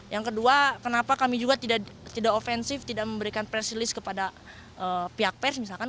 yang kedua kenapa kami juga tidak ofensif tidak memberikan press release kepada pihak pers misalkan